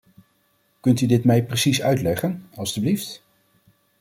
Kunt u mij dit precies uitleggen, alstublieft?